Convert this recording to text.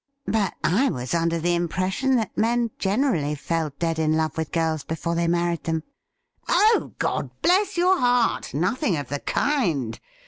' But I was under the impression that men generally fell dead in love with girls before they married them.' ' Oh, God bless your heart ! nothing of the kind.